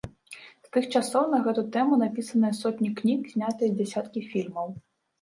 З тых часоў на гэту тэму напісаныя сотні кніг, знятыя дзясяткі фільмаў.